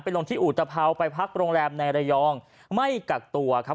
ลงที่อุตภาวไปพักโรงแรมในระยองไม่กักตัวครับ